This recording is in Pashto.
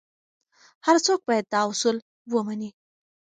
هر څوک باید دا اصول ومني.